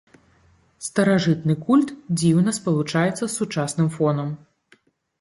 Старажытны культ дзіўна спалучаецца з сучасным фонам.